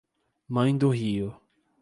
Mãe do Rio